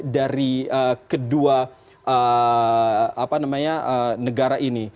dari kedua apa namanya negara ini